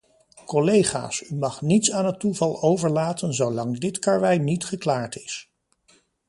Collega's, u mag niets aan het toeval overlaten zolang dit karwei niet geklaard is.